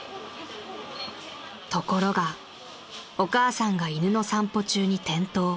［ところがお母さんが犬の散歩中に転倒］